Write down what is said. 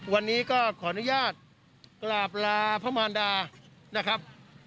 วันนี้ก็ขออนุญาตกราบลาพระมารดานะครับ